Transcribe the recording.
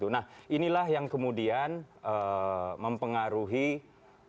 nah inilah yang kemudian mempengaruhi ya kepentingan masyarakat